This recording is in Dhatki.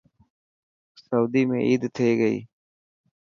سوئدي ۾ عيد ٿي گئي.